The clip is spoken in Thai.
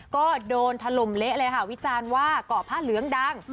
ก็โดนถล่มเละเลยค่ะวิจารณ์ว่าเกาะผ้าเหลืองดัง